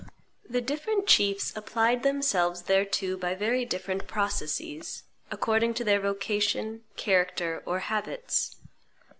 The different chiefs applied themselves thereto by very different processes, according to their vocation, character, or habits.